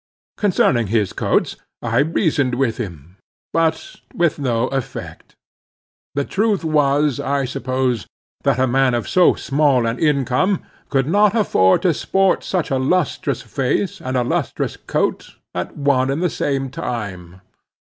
Concerning his coats, I reasoned with him; but with no effect. The truth was, I suppose, that a man of so small an income, could not afford to sport such a lustrous face and a lustrous coat at one and the same time.